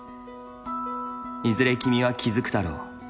いずれ君は気付くだろう。